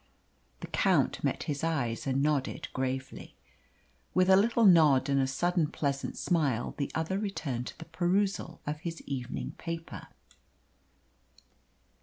The Count met his eyes and nodded gravely. With a little nod and a sudden pleasant smile the other returned to the perusal of his evening paper.